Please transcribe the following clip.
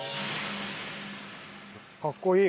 かっこいい